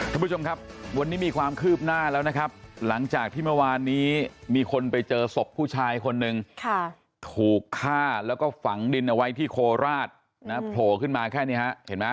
ท่านผู้ชมครับวันนี้มีความคืบหน้าแล้วนะครับหลังจากที่เมื่อวานนี้มีคนไปเจอศพผู้ชายคนนึงถูกฆ่าแล้วก็ฝังดินเอาไว้ที่โคราชนะโผล่ขึ้นมาแค่นี้ฮะเห็นไหม